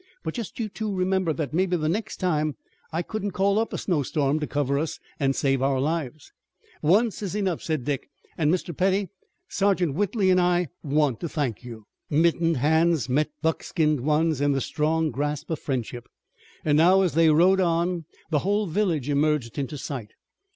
But just you two remember that mebbe the next time I couldn't call up a snowstorm to cover us an' save our lives." "Once is enough," said Dick, "and, Mr. Petty, Sergeant Whitley and I want to thank you." Mittened hands met buckskinned ones in the strong grasp of friendship, and now, as they rode on, the whole village emerged into sight.